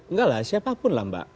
enggak lah siapapun lah mbak